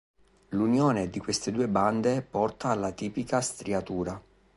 L'unione di queste due bande porta alla tipica striatura.